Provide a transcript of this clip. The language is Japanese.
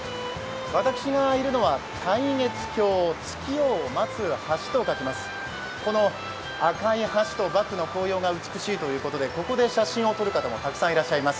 私がいるのは、待月橋月を待つ橋と書きますこの赤い橋とバックの紅葉が美しいということでここで写真を撮る方もたくさんいらっしゃいます。